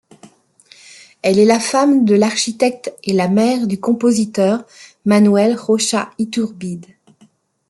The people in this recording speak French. Elle est la femme de l'architecte et la mère du compositeur Manuel Rocha Iturbide.